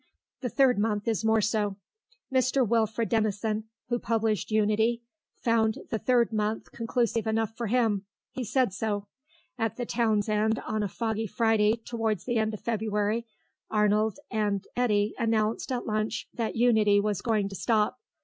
The third month is more so. Mr. Wilfred Denison, who published Unity, found the third month conclusive enough for him. He said so. At the Town's End on a foggy Friday towards the end of February, Arnold and Eddy announced at lunch that Unity was going to stop.